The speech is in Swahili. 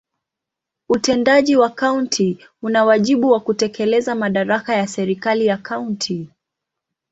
Utendaji wa kaunti una wajibu wa kutekeleza madaraka ya serikali ya kaunti.